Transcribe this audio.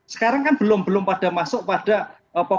sekarang kan belum belum pada masuk pada pokok pokok perkara yang bergantung